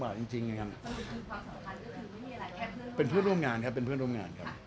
โอเคอินทฤคือผู้นิดหนึ่ง